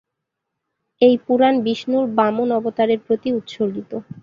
এই পুরাণ বিষ্ণুর বামন অবতারের প্রতি উৎসর্গিত।